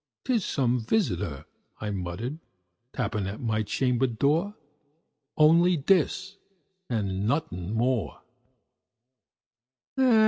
"'Tis some visitor," I muttered, "tapping at my chamber door Only this and nothing more."